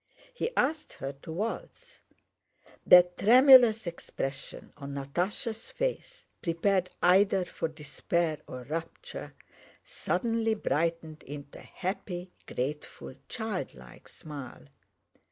He asked her to waltz. That tremulous expression on Natásha's face, prepared either for despair or rapture, suddenly brightened into a happy, grateful, childlike smile.